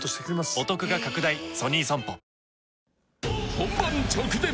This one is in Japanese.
［本番直前！